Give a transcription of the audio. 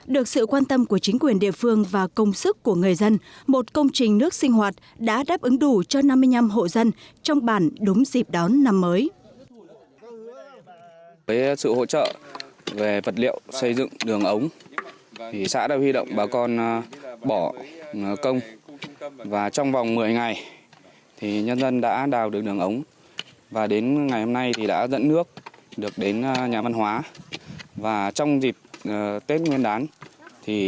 được sự quan tâm của chính quyền địa phương và công sức của người dân một công trình nước sinh hoạt đã đáp ứng đủ cho năm mươi năm hộ dân trong bản đúng dịp đón năm mới